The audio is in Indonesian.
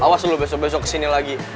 awas lu besok besok kesini lagi